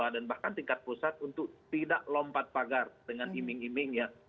dan bahkan tingkat pusat untuk tidak lompat pagar dengan iming imingnya